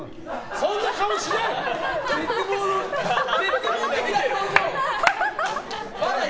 そんな顔しない！